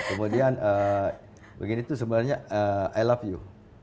kemudian begini tuh sebenarnya i love you